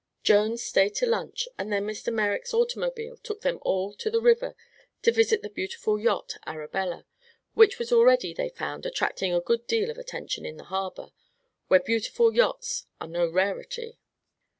Jones stayed to lunch and then Mr. Merrick's automobile took them all to the river to visit the beautiful yacht Arabella, which was already, they found, attracting a good deal of attention in the harbor, where beautiful yachts are no rarity.